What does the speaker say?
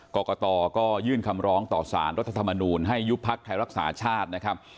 กรกตก็ยื่นคำร้องต่อสารรัฐธรรมนูลให้ยุบพักไทยรักษาชาตินะครับ